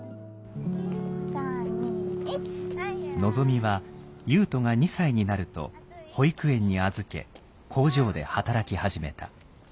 望は優斗が２歳になると保育園に預け工場で働き始めた。